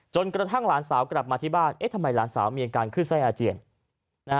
กระทั่งหลานสาวกลับมาที่บ้านเอ๊ะทำไมหลานสาวมีอาการขึ้นไส้อาเจียน